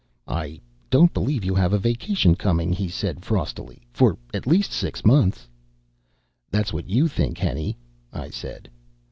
"I don't believe you have a vacation coming," he said frostily, "for at least six months." "That's what you think, Henny," I said.